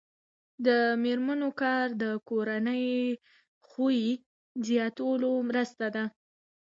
د میرمنو کار د کورنۍ خوښۍ زیاتولو مرسته ده.